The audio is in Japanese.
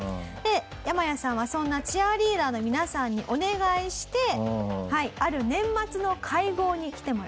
ヤマヤさんはそんなチアリーダーの皆さんにお願いしてある年末の会合に来てもらいます。